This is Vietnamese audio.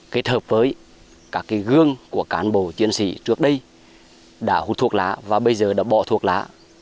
kết hợp với các gương của cán bộ chiến sĩ trước đây đã hút thuốc lá và bây giờ đã bỏ thuốc lá